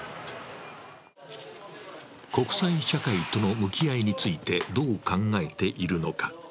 国際社会との向き合いについてどう考えているのか。